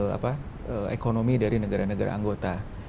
dalam memperkuat ketahanan ekonomi dari negara negara anggota